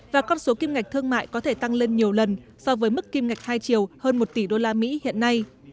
và con số kim ngạch thương mại có thể tăng lên nhiều lần so với mức kim ngạch hai triệu hơn một tỷ usd hiện nay